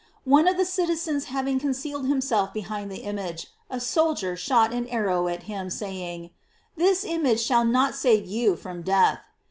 One of the citizens having concealed himself behind the image, a soldier shot an arrow at him, saying: ''This image shall not save you from death."